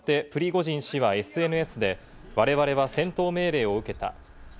しかし７日になってプリゴジン氏はＳＮＳで我々は戦闘命令を受けた。